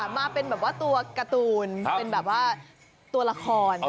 มาเป็นแบบว่าตัวการ์ตูนตัวละคร